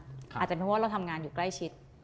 อาจจะเป็นเพราะว่าเราทำงานอยู่ใกล้ชิด